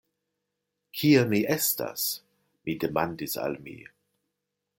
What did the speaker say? Kie mi estas? mi demandis al mi.